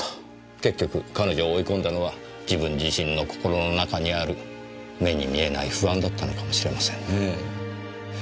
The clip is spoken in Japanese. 結局彼女を追い込んだのは自分自身の心の中にある目に見えない不安だったのかもしれませんねぇ。